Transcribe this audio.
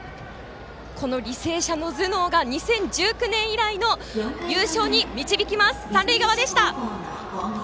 この履正社の頭脳が２０１９年以来の優勝に導きます、三塁側でした。